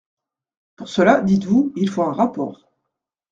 Pour cela, dites-vous, il faut un rapport.